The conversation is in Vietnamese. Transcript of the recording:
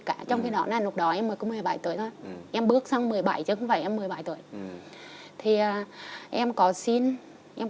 cả trong cái đó là lúc đó em mới cố một mươi bảy tuổi em bước sang một mươi bảy chứ không phải em một mươi bảy tuổi thì em có xin em